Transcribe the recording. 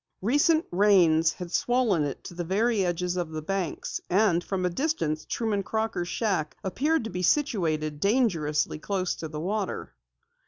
Recent rains had swollen it to the very edges of the banks, and from a distance Truman Crocker's shack appeared to be situated dangerously close to the water.